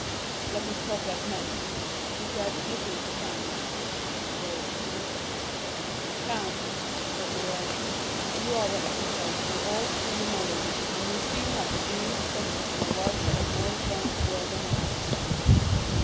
"Let us talk like men," he said, looking at the count. "Go on!" "Count," said Morrel, "you are the epitome of all human knowledge, and you seem like a being descended from a wiser and more advanced world than ours."